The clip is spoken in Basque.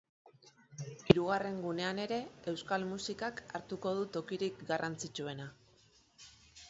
Hirugarren gunean ere euskal musikak hartuko du tokirik garrantzitsuena.